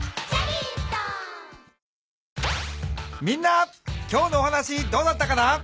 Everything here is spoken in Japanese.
みんな今日のお話どうだったかな？